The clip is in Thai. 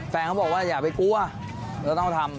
แฟนเขาบอกว่าอย่าไปกลัวจะต้องทำ